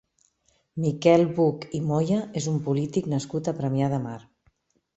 Miquel Buch i Moya és un polític nascut a Premià de Mar.